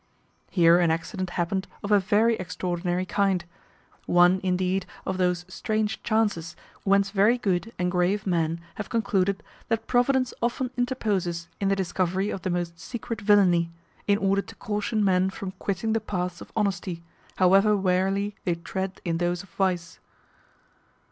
Here an accident happened of a very extraordinary kind; one indeed of those strange chances whence very good and grave men have concluded that Providence often interposes in the discovery of the most secret villany, in order to caution men from quitting the paths of honesty, however warily they tread in those of vice.